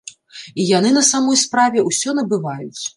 І яны на самой справе ўсё набываюць!